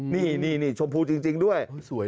นี่นี่นี่ชมพูจริงด้วย